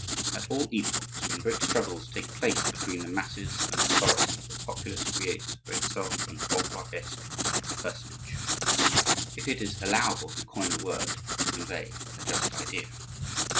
At all epochs when great struggles take place between the masses and authority, the populace creates for itself an ogre esque personage—if it is allowable to coin a word to convey a just idea.